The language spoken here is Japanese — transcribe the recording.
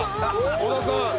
織田さん！